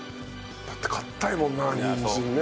だって硬いもんなにんじんね。